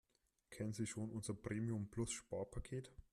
Kennen Sie schon unser Premium-Plus-Sparpaket?